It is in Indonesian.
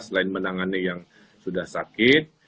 selain menangani yang sudah sakit